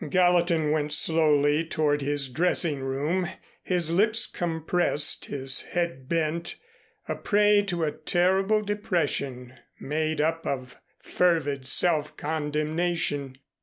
Gallatin went slowly toward his dressing room, his lips compressed, his head bent, a prey to a terrible depression made up of fervid self condemnation.